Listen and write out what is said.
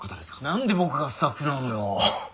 何で僕がスタッフなのよ。